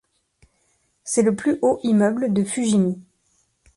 C'est le plus haut immeuble de Fujimi.